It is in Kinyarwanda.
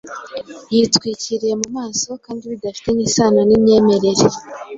yitwikiriye mu maso kandi bidafitanye isano n’imyemerere